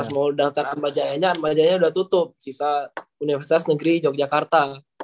pas mau daftar atmajaya nya atmajaya nya udah tutup sisa universitas negeri jogjakarta